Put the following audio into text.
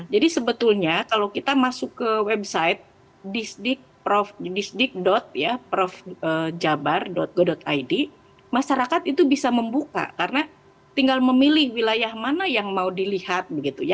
jadi sebetulnya kalau kita masuk ke website distrik profjabar go id masyarakat itu bisa membuka karena tinggal memilih wilayah mana yang mau dilihat begitu ya